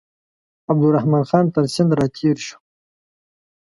عبدالرحمن خان تر سیند را تېر شو.